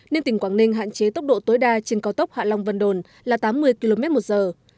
nên tỉnh quảng ninh hạn chế tốc độ tối đa trên cao tốc hạ long vân đồn là tám mươi km một giờ